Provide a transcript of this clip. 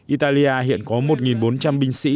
italia hiện có một bốn trăm linh binh sĩ